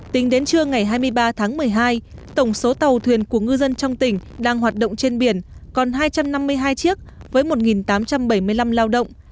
tính đến trưa ngày hai mươi ba tháng một mươi hai tổng số tàu thuyền của ngư dân trong tỉnh đang hoạt động trên biển còn hai trăm năm mươi hai chiếc với một tám trăm bảy mươi năm lao động